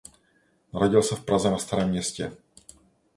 Narodil se v Praze na Starém Městě.